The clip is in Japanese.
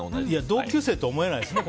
同級生とは思えないですね